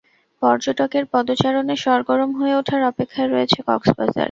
পর্যটকের পদচারণে সরগরম হয়ে ওঠার অপেক্ষায় রয়েছে কক্সবাজার।